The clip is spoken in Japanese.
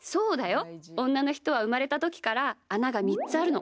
おんなのひとはうまれたときからあなが３つあるの。